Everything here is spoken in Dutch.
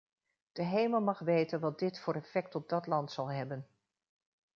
De hemel mag weten wat dit voor effect op dat land zal hebben.